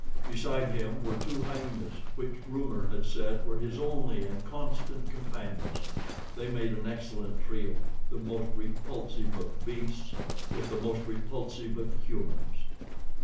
Beside him were two hyenas, which rumor had said were his only and constant companions. They made an excellent trio the most repulsive of beasts with the most repulsive of humans.